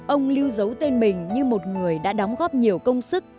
ông lưu giấu tên mình như một người đã đóng góp nhiều công sức